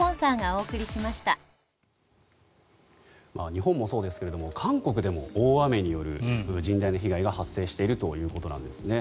日本もそうですが韓国でも大雨による甚大な被害が発生しているということなんですね。